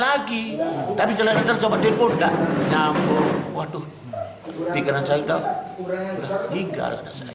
lagi tapi celana tersebut terpukul tak nyambung waduh pikiran saya tahu juga ada